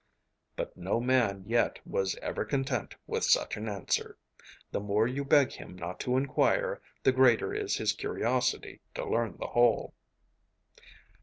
But no man yet was ever content with such an answer. The more you beg him not to inquire, the greater is his curiosity to learn the whole.